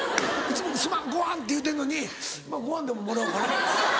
いつも「すまんごはん」って言うてんのに「まぁごはんでももらおうかな？」。